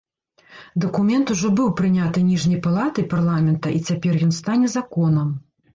Дакумент ужо быў прыняты ніжняй палатай парламента і цяпер ён стане законам.